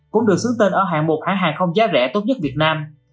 cũng được xứng tên ở hạng một hãng hàng không giá rẻ tốt nhất việt nam